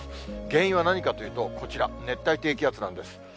原因は何かというと、こちら、熱帯低気圧なんです。